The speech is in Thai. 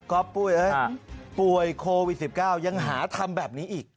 ก็ปุ้ยป่วยโควิด๑๙ยังหาทำแบบนี้อีก